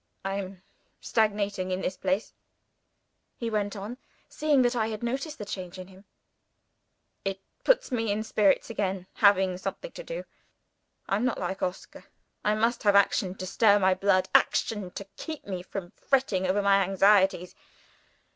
"I am stagnating in this place," he went on, seeing that I noticed the change in him. "It puts me in spirits again, having something to do. I am not like Oscar I must have action to stir my blood action to keep me from fretting over my anxieties.